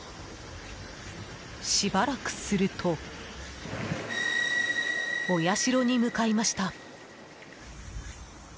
しばらくするとお社に向かいました。